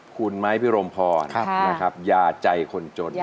คุณไม้พิโรมพอร์นะครับยาใจคนจนนะครับ